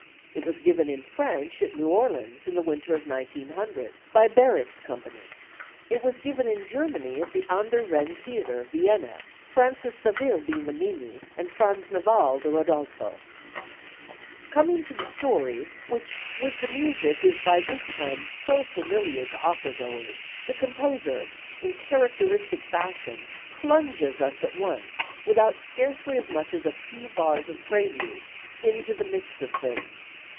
It was given in French at New Orleans in the winter of 1900 by Barrich's Company. It was first given in Germany at the Ander Wren Theatre, Vienna, Frances Saville being the Mimi and Franz Naval the Rodolfo. Coming to the story, which with the music is by this time so familiar to opera goers, the composer, in characteristic fashion, plunges us at once, without scarcely as much as a few bars of prelude, into the midst of things.